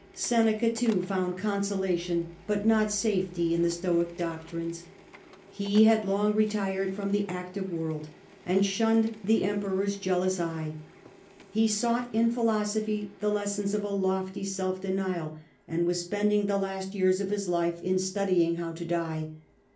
Seneca, too, found consolation but not safety in the Stoic doctrines. He had long retired from the active of Seneca world, and shunned the EmperoPs jealous (a.d. 65), sought in philosophy the les wns of a lofty self denial, and was spending the last 4.D. 54 68 Nero. rrS years of his life in studying how to die.